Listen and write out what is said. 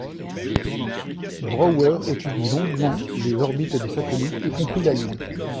Brouwer étudie longuement les orbites des satellites, y compris la Lune.